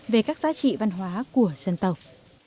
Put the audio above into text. về các giá trị văn hóa của dân tộc